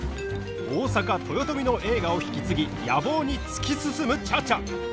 大坂豊臣の栄華を引き継ぎ野望に突き進む茶々。